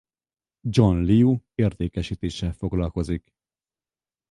John Liu értékesítéssel foglalkozik.